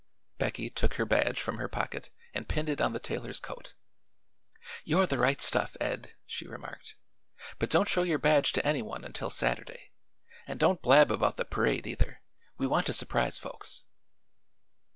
Becky took her badge from her pocket and pinned it on the tailor's coat. "You're the right stuff, Ed," she remarked. "But don't show your badge to anyone until Saturday; and don't blab about the parade, either. We want to surprise folks."